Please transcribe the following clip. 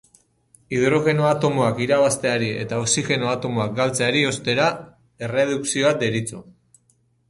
Hidrogeno atomoak irabazteari eta oxigeno atomoak galtzeari, ostera, erredukzioa deritzo.